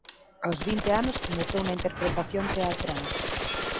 Aos vinte anos comezou na interpretación teatral.